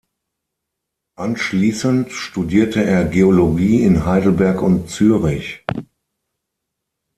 Anschließend studierte er Geologie in Heidelberg und Zürich.